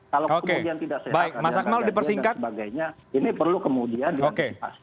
kalau kemudian tidak sehat ada keadaan gaya dan sebagainya ini perlu kemudian diantisipasi